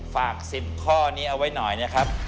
ฝาก๑๐ข้อนี้เอาไว้หน่อยนะครับ